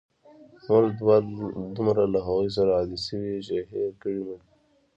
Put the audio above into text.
موږ دومره له هغوی سره عادی شوي یو، چې هېر کړي مو دي.